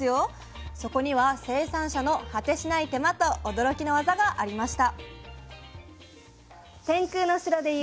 そこには生産者の果てしない手間と驚きのワザがありました。